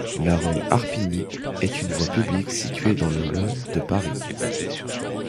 La rue Harpignies est une voie publique située dans le de Paris.